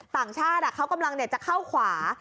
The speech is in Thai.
ต่างชาติเขากำลังจะเข้าขวา